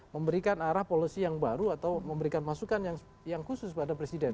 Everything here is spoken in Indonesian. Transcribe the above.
memberikan arah policy yang baru atau memberikan masukan yang khusus pada presiden